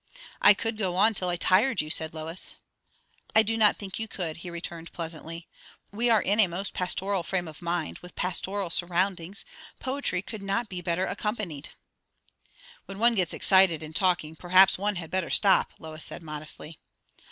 "I could go on till I tired you," said Lois. "I do not think you could," he returned pleasantly. "What can we do better? We are in a most pastoral frame of mind, with pastoral surroundings; poetry could not be better accompanied." "When one gets excited in talking, perhaps one had better stop," Lois said modestly.